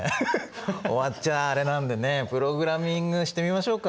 終わっちゃあれなんでねプログラミングしてみましょうか。